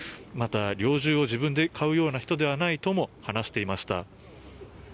また猟銃を自分で買うような人ではないとも話していました。